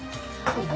ここ？